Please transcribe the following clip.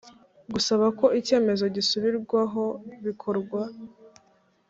Gusaba ko icyemezo gisubirwaho bikorwa